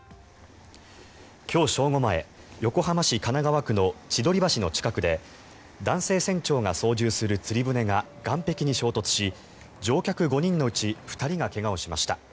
今日正午前横浜市神奈川区の千鳥橋の近くで男性船長が操縦する釣り船が岸壁に衝突し乗客５人のうち２人が怪我をしました。